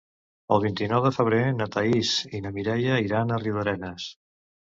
El vint-i-nou de febrer na Thaís i na Mireia iran a Riudarenes.